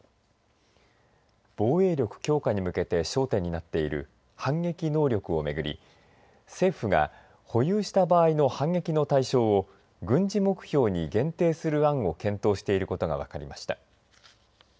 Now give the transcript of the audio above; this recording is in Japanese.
防衛力強化に向けて焦点になっている反撃能力を巡り政府が保有した場合の反撃の対象を軍事目標に限定する案を検討していることが分かりました。